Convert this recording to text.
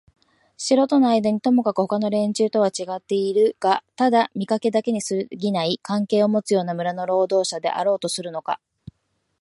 城とのあいだにともかくもほかの連中とはちがってはいるがただ見かけだけにすぎない関係をもつような村の労働者であろうとするのか、